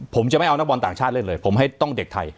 ผมจะไม่เอานักบอลต่างชาติเล่นเลยผมให้ต้องเด็กไทย